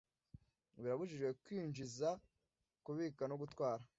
Birabujijwe kwinjiza kubika no gutwara